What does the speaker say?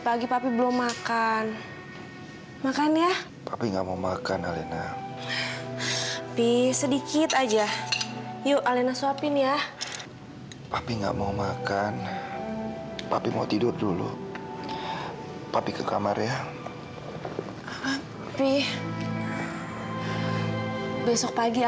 papi makan malam dulu ya